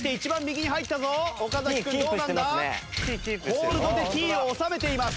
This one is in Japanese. ホールドでＴを納めています。